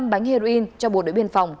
hai mươi năm bánh heroin cho bộ đội biên phòng